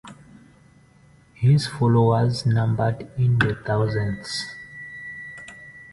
His followers numbered in the thousands.